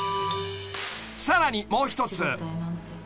［さらにもう一つ］